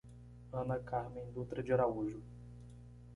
Ana Carmem Dutra de Araújo